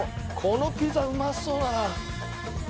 このピザうまそうだな！